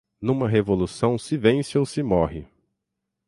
numa revolução se vence ou se morre